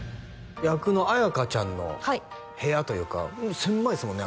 役の綾華ちゃんの部屋というか狭いですもんね？